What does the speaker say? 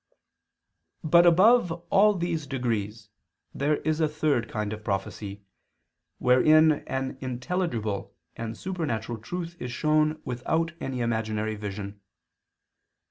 But above all these degrees there is a third kind of prophecy, wherein an intelligible and supernatural truth is shown without any imaginary vision.